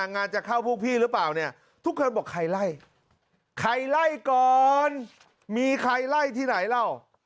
งานจะเข้าพวกพี่หรือเปล่าเนี่ยทุกคนบอกใครไล่ใครไล่ก่อนมีใครไล่ที่ไหนเล่า